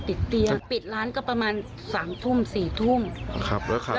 ติดเตียงได้ยินเสียงลูกสาวต้องโทรศัพท์ไปหาคนมาช่วย